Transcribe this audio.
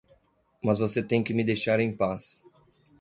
Mas você tem que me deixar em paz.